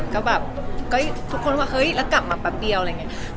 ก็แบบก็ทุกคนว่าเฮ้ยแล้วกลับมาแป๊บเดียวอะไรอย่างนี้